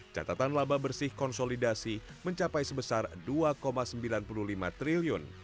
catatan laba bersih konsolidasi mencapai sebesar rp dua sembilan puluh lima triliun